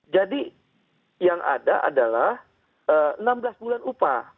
jadi yang ada adalah enam belas bulan upah